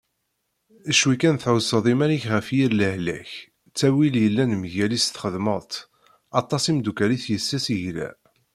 Cwi kan tεusseḍ iman-ik ɣef yir lehlak, ttawil yellan mgal-is txedmeḍ-t, aṭas imeddukal-ik yes-s yegla.